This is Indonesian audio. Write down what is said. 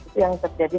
itu yang terjadi